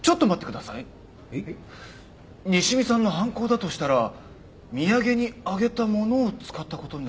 西見さんの犯行だとしたら土産にあげたものを使ったことになります。